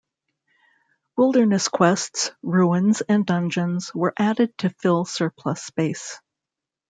Wilderness quests, ruins, and dungeons were added to fill surplus space.